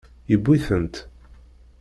Yewwi-tent.